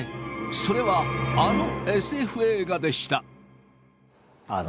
それはあのＳＦ映画でした。